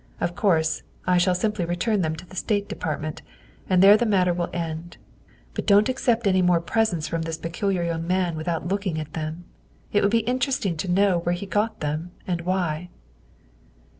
Of course, I shall simply return them to the State Depart ment and there the matter will end, but don't accept any more presents from this peculiar young man with out looking at them. It would be interesting to know where he got them and why.